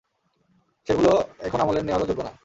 সেগুলো এখন আমলের নেওয়ারও যোগ্য না!